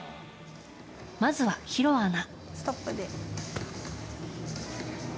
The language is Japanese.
まずは、弘アナ。